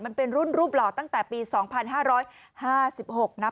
มันเป็นรุ่นรูปหล่อตั้งแต่ปีสองพันห้าร้อยห้าสิบหกนะ